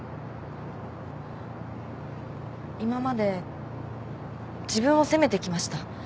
今まで自分を責めてきました。